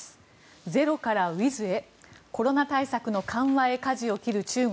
ゼロからウィズへコロナ対策の緩和へかじを切る中国。